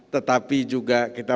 tetapi juga kita